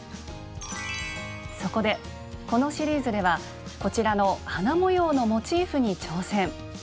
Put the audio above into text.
そこでこのシリーズではこちらの花模様のモチーフに挑戦！